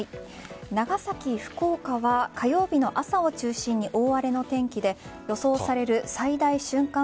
長崎、福岡は火曜日の朝を中心に大荒れの天気で予想される最大瞬間